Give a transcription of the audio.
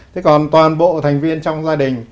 thế còn toàn bộ thành viên trong gia đình